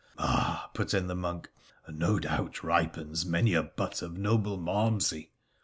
' Ah,' put in the monk, ' and no doubt ripens many a butt of noble malmsey.'